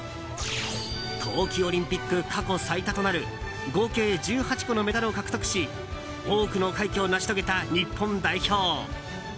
冬季オリンピック過去最多となる合計１８個のメダルを獲得し多くの快挙を成し遂げた日本代表。